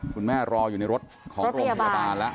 คุณแม่รออยู่ในรถของโรงพยาบาลและ